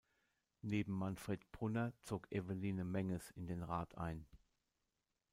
Neben Manfred Brunner zog Evelyne Menges in den Rat ein.